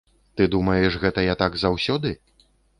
Ты думаеш, гэта я так заўсёды?